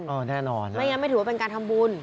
แน่นอนนะครับสิไม่อย่างนั้นไม่ถือว่าเป็นการทำบุญ